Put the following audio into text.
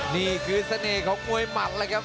นี่คือเสน่ห์ของมวยหมัดแล้วครับ